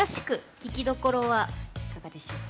聴きどころは、どこでしょうか？